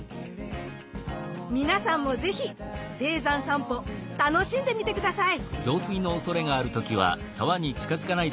皆さんも是非低山さんぽ楽しんでみて下さい！